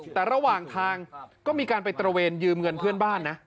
แต่ระหว่างทางก็มีการไปตระเวนยืมเงินเพื่อนบ้านนะ